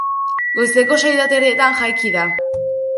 Goizeko sei eta erdietan jaiki da.